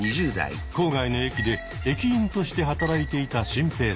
郊外の駅で駅員として働いていたシンペイさん。